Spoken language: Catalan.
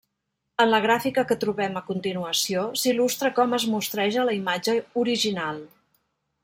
En la gràfica que trobem a continuació s'il·lustra com es mostreja la imatge original.